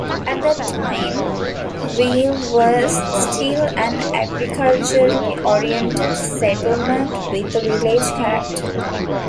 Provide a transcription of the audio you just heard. At that time, Wiehl was still an agriculturally oriented settlement with a village character.